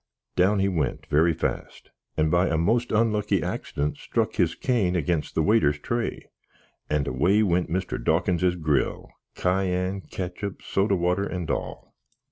Down he went very fast, and by a most unlucky axdent struck his cane against the waiter's tray, and away went Mr. Dawkinses gril, kayann, kitchup, soda water, and all!